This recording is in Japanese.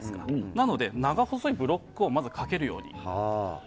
なので、長細いブロックをまず描けるように。